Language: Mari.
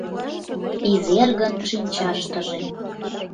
Изергын шинчаштыже